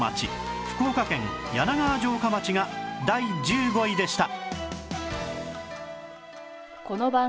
福岡県柳川城下町が第１５位でした